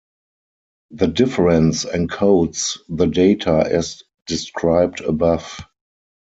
The difference encodes the data as described above.